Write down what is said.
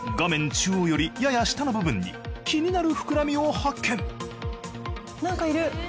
中央よりやや下の部分に気になるふくらみを発見